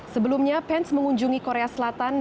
sebelumnya pence mengunjungi kota jepang jepang